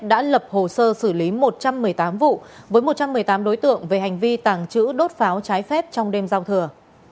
đã lập hồ sơ xử lý một trăm một mươi tám vụ với một trăm một mươi tám đối tượng về hành vi tàng trữ đốt pháo trái phép trong đêm giao thừa